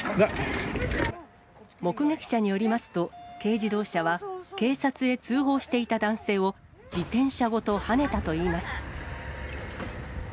目撃者によりますと、軽自動車は、警察へ通報していた男性を自転車ごとはねたといいます。